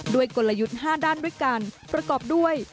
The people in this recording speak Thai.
กลยุทธ์๕ด้านด้วยกันประกอบด้วย